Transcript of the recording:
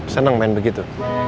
senang main begitu